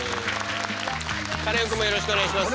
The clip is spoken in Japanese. カネオくんもよろしくお願いします。